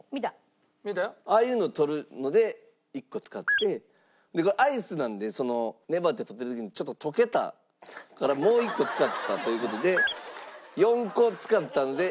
ああいうのを撮るので１個使ってアイスなので粘って撮ってる時にちょっと溶けたからもう一個使ったという事で４個使ったので。